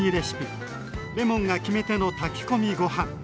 レモンが決め手の炊き込みご飯！